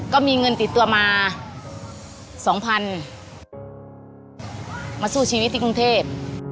ก็มีเงินติดตัวมา๒๐๐๐มาสู้ชีวิตที่กรุงเทพ